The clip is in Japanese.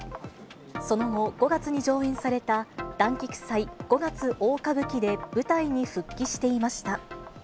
その後、５月に上演された、團菊祭五月大歌舞伎で舞台に復帰していました。